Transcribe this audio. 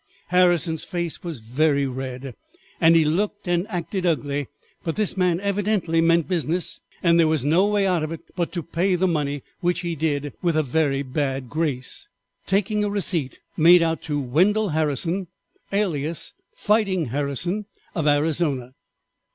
Harrison's face was very red, and he looked and acted ugly; but this man evidently meant business, and there was no way out of it but to pay the money, which he did with a very bad grace, taking a receipt made out to Wendell Harrison, alias "Fighting Harrison of Arizona."